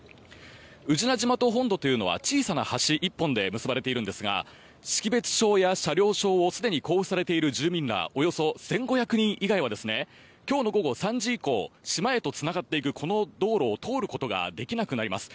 宇品島と本土というのは小さな橋１本で結ばれているんですが識別証や車両証をすでに交付されている住民ら１５００人以外は今日の午後３時以降島へとつながっていくこの道路を通ることができなくなります。